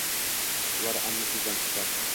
: Ular annik bizdan Xafa...